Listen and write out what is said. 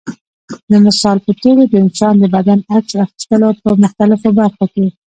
د مثال په توګه د انسان د بدن عکس اخیستلو په مختلفو برخو کې.